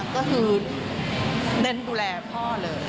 ก็คือเน้นดูแลพ่อเลย